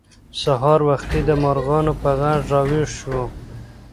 سهار وختي د مرغانو په غږ راویښ شوو.